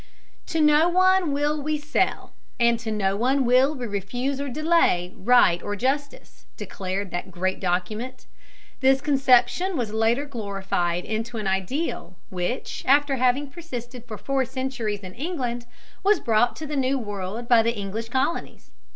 "To no one will we sell, and to no one will we refuse or delay, right or justice," declared that great document. This conception was later glorified into an ideal which, after having persisted for four centuries in England, was brought to the New World by the English colonists.